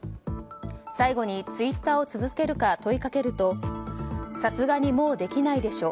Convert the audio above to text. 最後にツイッターを続けるか問いかけるとさすがにもうできないでしょ